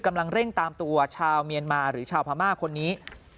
กำลังเร่งตามตัวชาวเมียนมาหรือชาวพม่าคนนี้